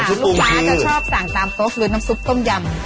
ลูกค้าจะชอบสั่งตามโต๊ะคือน้ำซุปต้มยำ